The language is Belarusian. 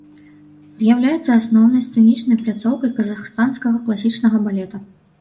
З'яўляецца асноўнай сцэнічнай пляцоўкай казахстанскага класічнага балета.